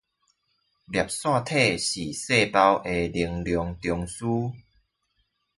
粒線體是細胞的能量中樞